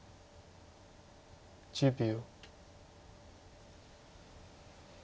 １０秒。